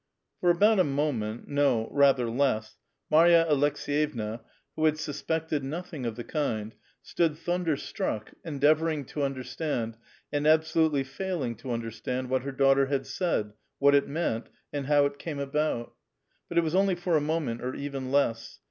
For about a moment, — no. rather less, — Marya Aleks^ yevna, who had sus])ected nothing of the kind, stood thunder struck, endeavorin.q: to understand, and absoluU^ly failing to understand, what her daughter had said, what it meant, and how it came about ; but it was only for a moment, or even less.